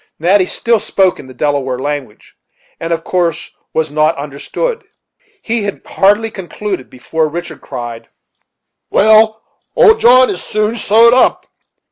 Natty still spoke in the Delaware language, and of course was not understood. He had hardly concluded before Richard cried: "Well, old John is soon sewed up.